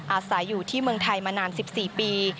อาศัยอยู่ที่เมืองไทยมานาน๑๔ปี